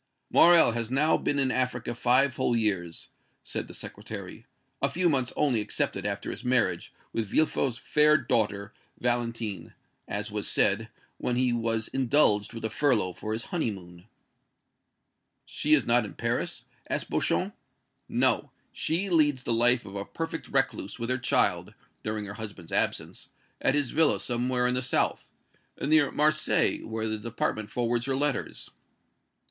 "Morrel has now been in Africa five whole years," said the Secretary "a few months only excepted after his marriage with Villefort's fair daughter, Valentine, (as was said) when he was indulged with a furlough for his honeymoon." "She is not in Paris?" asked Beauchamp. "No; she leads the life of a perfect recluse with her child, during her husband's absence, at his villa somewhere in the south near Marseilles, where the department forwards her letters."